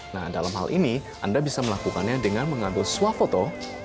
nah dalam hal ini anda bisa melakukannya dengan mengambil swafoto